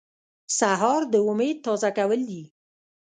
سهار د امید تازه کول دي.